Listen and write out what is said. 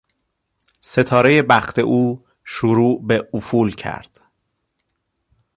ستارهی بخت او شروع به افول کرد.